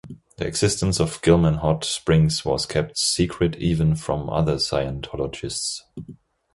The existence of Gilman Hot Springs was kept secret even from other Scientologists.